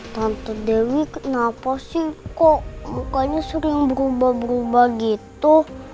tante dewi kenapa sih kok mukanya sering berubah berubah gitu